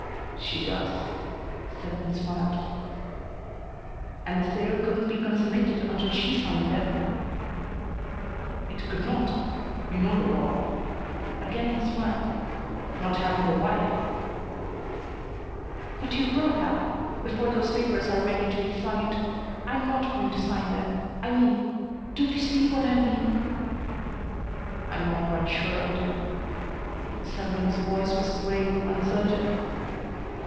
"She does." Selwyn smiled. "And the sale couldn't be consummated unless she signed them?" "It could not. You know the law." Again he smiled. "Not having a wife " "But you will have before those papers are ready to be signed. I am not going to sign them. I mean Don't you see what I mean?" "I'm not quite sure I do." Selwyn's voice was grave, uncertain.